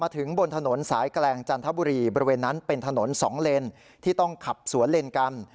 ถึงบนถนนสายแกลงจันทบุรีบริเวณนั้นเป็นถนนสองเลนที่ต้องขับสวนเลนกัน